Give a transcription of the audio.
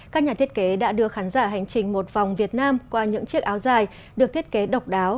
các nhà thiết kế đã đưa khán giả hành trình một vòng việt nam qua những chiếc áo dài được thiết kế độc đáo